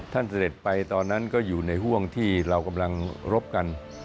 เสด็จไปตอนนั้นก็อยู่ในห่วงที่เรากำลังรบกัน